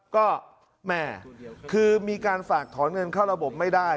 ก็แม่คือมีการฝากถอนเงินเข้าระบบไม่ได้